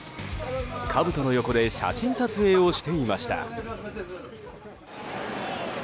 かぶとの横で写真撮影をしていました。